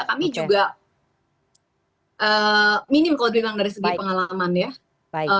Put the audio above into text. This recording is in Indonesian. kami juga minim kalau dibilang dari segi pengalaman ya